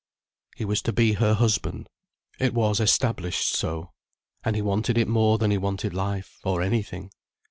He was to be her husband. It was established so. And he wanted it more than he wanted life, or anything.